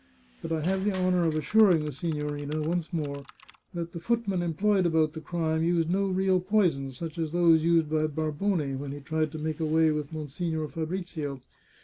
But I have the honour of assuring the si gnorina, once more, that the footman employed about the crime used no real poisons, such as those used by Barbone when he tried to make away with Monsignore Fabrizio.